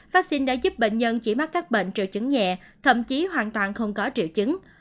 vaccine đã giúp bệnh nhân chỉ mắc các bệnh triệu chứng nhẹ thậm chí hoàn toàn không có triệu chứng